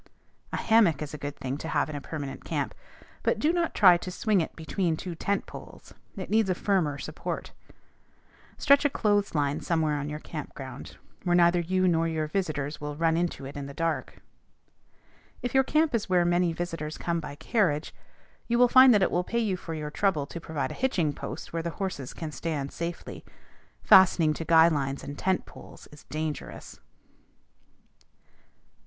A hammock is a good thing to have in a permanent camp, but do not try to swing it between two tent poles: it needs a firmer support. Stretch a clothes line somewhere on your camp ground, where neither you nor your visitors will run into it in the dark. If your camp is where many visitors will come by carriage, you will find that it will pay you for your trouble to provide a hitching post where the horses can stand safely. Fastening to guy lines and tent poles is dangerous.